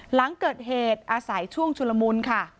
หลังเกิดเหตุอาศัยช่วงชุลมุนค่ะ